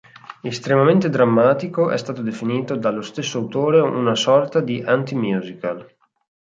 Estremamente drammatico, è stato definito dallo stesso autore una sorta di anti-musical.